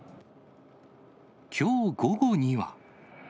きょう午後には。